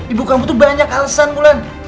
ibu kamu tuh banyak alasan bulan